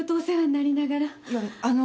いやあの。